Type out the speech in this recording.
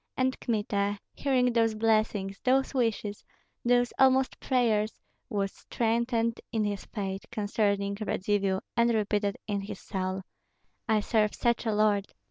And Kmita, hearing those blessings, those wishes, those almost prayers, was strengthened in his faith concerning Radzivill, and repeated in his soul, "I serve such a lord!